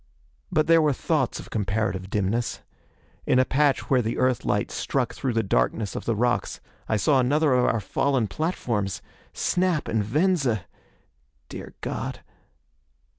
But there were thoughts of comparative dimness. In a patch where the Earthlight struck through the darkness of the rocks, I saw another of our fallen platforms! Snap and Venza! Dear God....